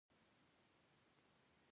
د جګدلک یاقوت ډیر ارزښت لري